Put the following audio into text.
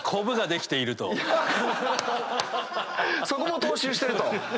そこも踏襲してると。